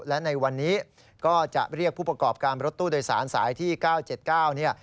และในวันนี้ก็จะเรียกผู้ประกอบการรถตู้โดยสารสายที่๙๗๙เนี่ย